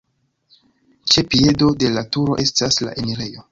Ĉe piedo de la turo estas la enirejo.